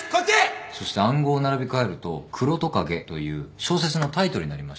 そして暗号を並べ替えると『黒蜥蜴』という小説のタイトルになりました。